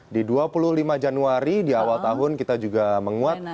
di dua puluh lima januari di awal tahun kita juga menguat